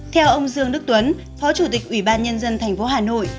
theo ông dương đức tuấn phó chủ tịch ủy ban nhân dân tp hà nội